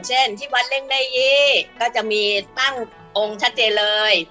เช่นที่วัดเร่งได้ยี่ก็จะมีตั้งองค์ชัดเจนเลย